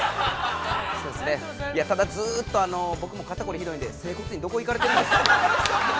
◆そうですね、ただずっと、僕も肩凝りひどいんで、整骨院、どこに行かれているんですか。